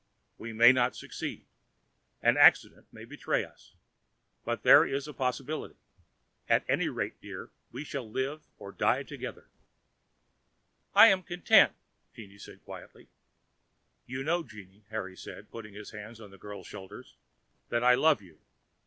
We may not succeed; an accident may betray us, but there is a possibility. At any rate, dear, we shall live or die together." "I am content," Jeanne said quietly. "You know, Jeanne," Harry said, putting his hands on the girl's shoulders, "that I love you.